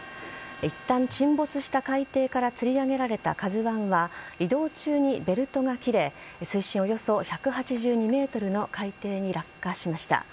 いったん、沈没した海底からつり上げられた「ＫＡＺＵ１」は移動中にベルトが切れ水深およそ１８２ｍの海底に落下しました。